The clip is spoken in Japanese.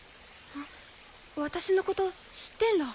私のこと知ってんら？